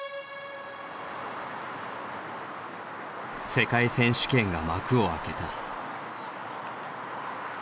世界選手権が幕を開けた。